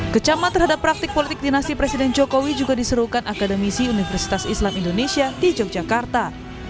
kecaman terhadap praktik politik dinasti presiden jokowi juga diserukan akademisi universitas islam indonesia di yogyakarta